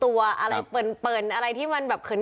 อะไรเปิดเปิดอะไรที่มันแบบเขิน